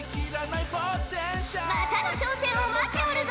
またの挑戦を待っておるぞ！